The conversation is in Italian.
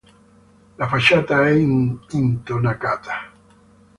La facciata è intonacata.